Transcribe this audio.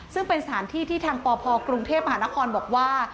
ซึ่งเป็นสถานที่ที่ทางปพกรุงเทพมหานครบอกว่า